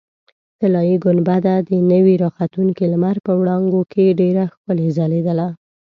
طلایي ګنبده د نوي راختونکي لمر په وړانګو کې ډېره ښکلې ځلېدله.